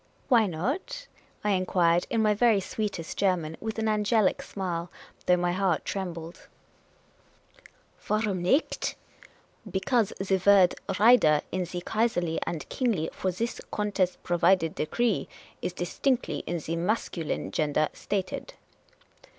" Why not?" I inquired, in my very sweetest German, with an angelic smile, though my heart trembled. 8o Miss Cayley's Adventures " Warum iiiclit ? Because the word 'rider' in the Kaiserly and Kingly for this contest provided decree is dis tinctly in the masculine gender stated."